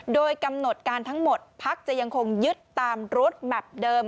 โดยกำหนดการทั้งหมดพักจะยังคงยึดตามรถแมพเดิม